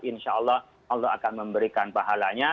insya allah allah akan memberikan pahalanya